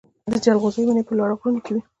د جلغوزیو ونې په لوړو غرونو کې وي.